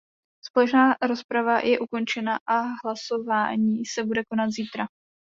Společná rozprava je ukončena a hlasování se bude konat zítra.